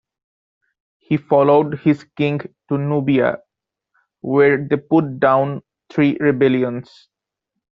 He followed his king to Nubia, where they put down three rebellions.